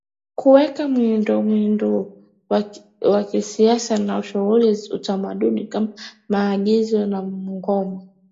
Kuweka miundombinu ya kisasa na shughuli za utamaduni kama maigizo na ngoma